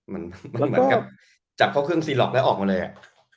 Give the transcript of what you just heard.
มันเหมือนกับจับเข้าเครื่องซีล็อกแล้วออกมาเลยอ่ะ